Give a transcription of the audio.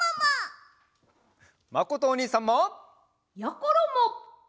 まことおにいさんも！やころも！